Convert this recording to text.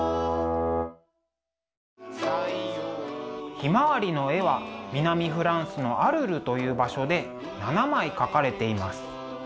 「ひまわり」の絵は南フランスのアルルという場所で７枚描かれています。